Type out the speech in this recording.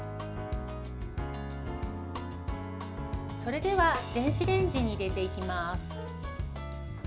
それでは電子レンジに入れていきます。